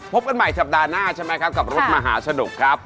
พบกันใหม่สัปดาห์หน้าใช่ไหมครับกับรถมหาสนุกครับ